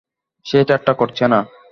সে ঠাট্টা করছে না!